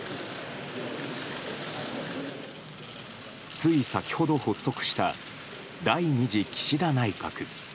つい先ほど発足した第２次岸田内閣。